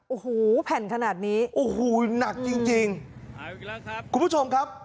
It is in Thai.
โอ้โหแผ่นขนาดนี้โอ้โหหนักจริงจริงคุณผู้ชมครับ